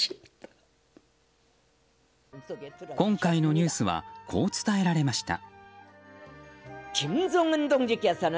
今回のニュースはこう伝えられました。